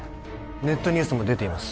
ネットニュースも出ています